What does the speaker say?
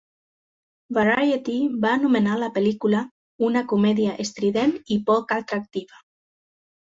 "Variety" va anomenar la pel·lícula "una comèdia estrident i poc atractiva.